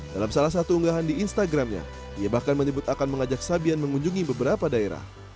dalam salah satu unggahan di instagramnya ia bahkan menyebut akan mengajak sabian mengunjungi beberapa daerah